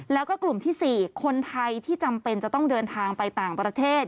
แล้วก็กลุ่มที่๔คนไทยที่จำเป็นจะต้องเดินทางไปต่างประเทศ